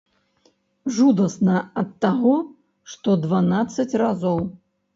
Жудасна ад таго, што дванаццаць разоў.